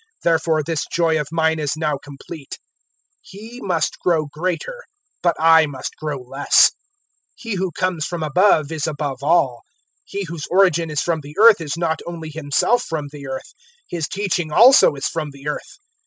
Therefore this joy of mine is now complete. 003:030 He must grow greater, but I must grow less. 003:031 He who comes from above is above all. He whose origin is from the earth is not only himself from the earth, his teaching also is from the earth.